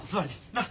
なっ。